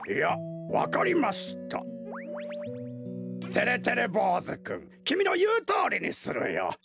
てれてれぼうずくんきみのいうとおりにするよ。